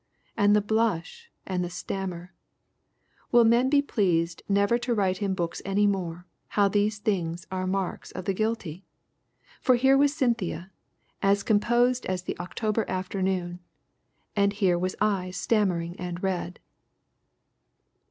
And the blush and the stammer, will men be pleased never to write in books any more, how these things are marks of the guilty? For here was Cynthia, as composed as the October afternoon, and here was I stammering and red.